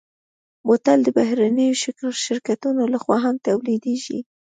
بوتل د بهرنيو شرکتونو لهخوا هم تولیدېږي.